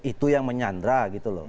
itu yang menyandra gitu loh